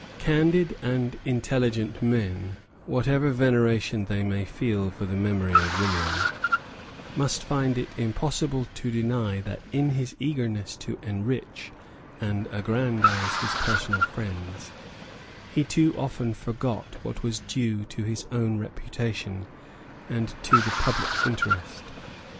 Candid and intelligent men, whatever veneration they may feel for the memory of William, must find it impossible to deny that, in his eagerness to enrich and aggrandise his personal friends, he too often forgot what was due to his own reputation and to the public interest.